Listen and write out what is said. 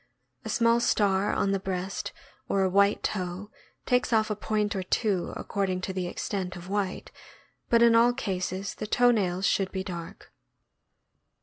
A small star on the breast or a white toe takes off a point or two, according to the extent of white, but in all cases the toe nails should be dark.